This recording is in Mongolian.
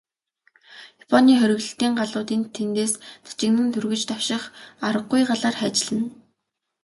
Японы хориглолтын галууд энд тэндээс тачигнан тургиж, давших аргагүй галаар хайчилна.